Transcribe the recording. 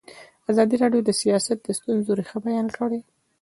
ازادي راډیو د سیاست د ستونزو رېښه بیان کړې.